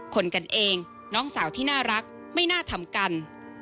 กันเองน้องสาวที่น่ารักไม่น่าทำกัน